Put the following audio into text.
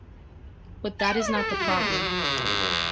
But that is not the problem.